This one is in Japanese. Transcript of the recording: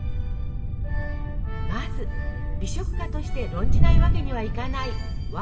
まず美食家として論じないわけにはいかないワインの項目。